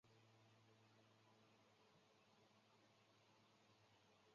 另一项大工程则是位于汉江纛岛游园地的首尔森林公园工程。